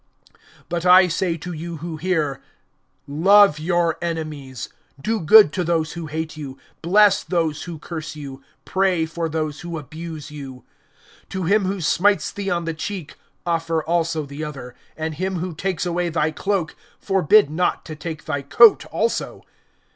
(27)But I say to you who hear: Love your enemies, do good to those who hate you, (28)bless those who curse you, pray for those who abuse you[6:28]. (29)To him who smites thee on the cheek offer also the other; and him who takes away thy cloak forbid not to take thy coat also.